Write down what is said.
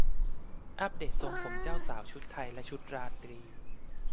อัปเดตทรงผมเจ้าสาวชุดไทยและชุดราตรี